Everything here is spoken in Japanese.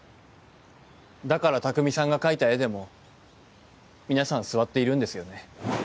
だから拓三さんが描いた絵でも皆さん座っているんですよね。